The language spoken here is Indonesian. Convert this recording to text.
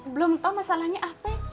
belum tau masalahnya apa